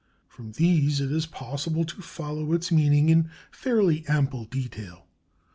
From these it is possible to follow its meaning in fairly ample detail.